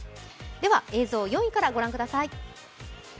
では、映像４位からご覧ください。